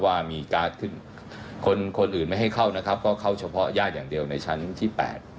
ว่ามีการ์ดขึ้นคนคนอื่นไม่ให้เข้านะครับก็เข้าเฉพาะญาติอย่างเดียวในชั้นที่๘